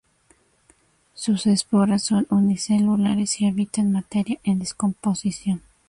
Sus esporas son unicelulares y habitan materia en descomposición.